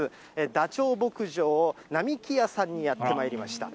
だちょう牧場並木屋さんにやってまいりました。